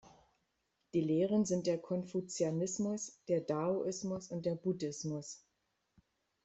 Die Lehren sind der Konfuzianismus, der Daoismus und der Buddhismus.